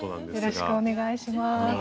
よろしくお願いします。